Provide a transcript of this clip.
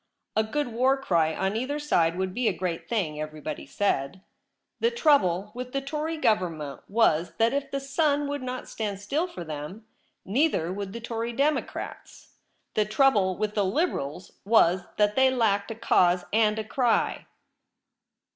A good war cry on either side would be a great thing, everybody said. The trouble with the Tory Government was that if the sun would not stand still for them, neither would the Tory Democrats. The trouble with the Liberals was that they la:jked a cause and a cry.